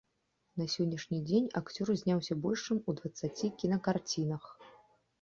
На сённяшні дзень акцёр зняўся больш чым у дваццаці кінакарцінах.